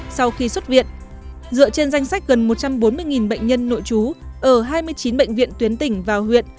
trong khi xuất viện dựa trên danh sách gần một trăm bốn mươi bệnh nhân nội chú ở hai mươi chín bệnh viện tuyến tỉnh vào huyện